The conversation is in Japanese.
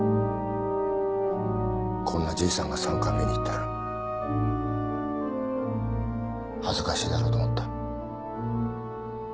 こんなじいさんが参観日に行ったら恥ずかしいだろうと思った。